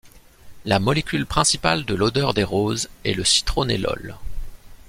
La molécule principale de l'odeur des roses est le citronellol.